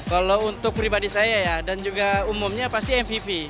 kalau untuk pribadi saya ya dan juga umumnya pasti mvp